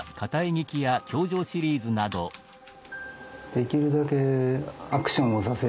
できるだけアクションをさせる。